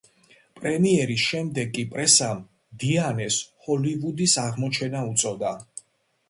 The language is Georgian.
პრემიერის შემდეგ კი პრესამ დიანეს „ჰოლივუდის აღმოჩენა“ უწოდა.